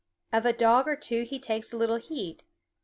Of a dog or two he takes little heed.